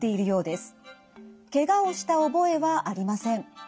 ケガをした覚えはありません。